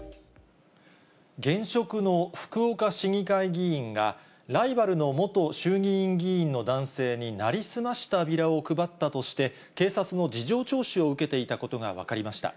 現職の福岡市議会議員が、ライバルの元衆議院議員の男性に成り済ましたビラを配ったとして、警察の事情聴取を受けていたことが分かりました。